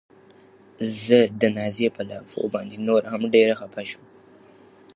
زه د نازيې په لافو باندې نوره هم ډېره خپه شوم.